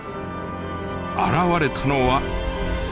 現れたのは。